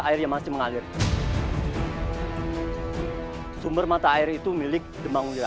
air yang masih mengalir sumber mata air itu milik demangunja